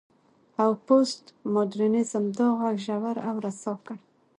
او پوسټ ماډرنيزم دا غږ ژور او رسا کړ.